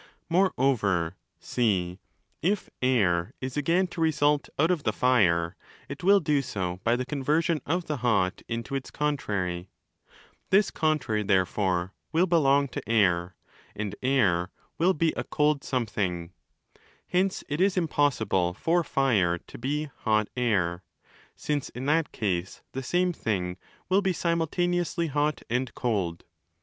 More over (c) if Air is again to result out of the Fire, it will do so by the conversion of the hot into its contrary: this contrary, therefore, will belong to Air, and Air will be a cold something: hence it is impossible for Fire to be 'hot Air', since in that case the same thing will be simultaneously hot and cold.